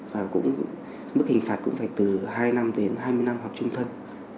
và cũng mức hình phạt cũng phải từ hai năm đến hai mươi năm hoặc trung thân